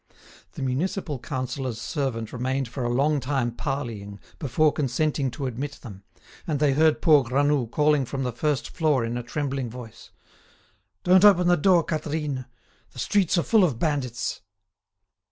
The municipal councillor's servant remained for a long time parleying before consenting to admit them, and they heard poor Granoux calling from the first floor in a trembling voice: "Don't open the door, Catherine! The streets are full of bandits."